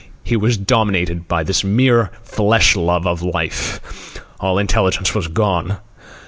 He was dominated by this mere flesh love of life. All intelligence was gone.